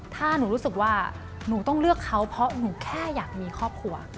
ถ้าหนูรู้สึกว่าหนูต้องเลือกเขาเพราะหนูแค่อยากมีครอบครัว